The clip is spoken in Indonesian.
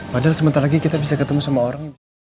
padahal sebentar lagi kita bisa ketemu sama orang